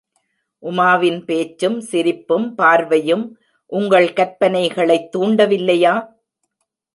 உமாவின் பேச்சும் சிரிப்பும் பார்வையும் உங்கள் கற்பனைகளைத் தூண்டவில்லையா?